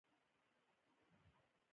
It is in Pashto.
د معدې د تیزابیت لپاره باید څه شی وڅښم؟